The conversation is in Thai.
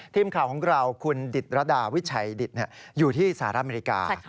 ทีมข่าวของเราคุณดิตระดาวิชัยดิตอยู่ที่สหรัฐอเมริกา